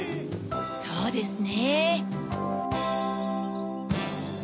そうですね。